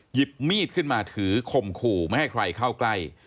หยิบมีดขึ้นมาถือคมขู่ไม่ให้ใครเข้าใกล้